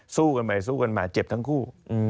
สู้กันไปสู้กันมาเจ็บทั้งคู่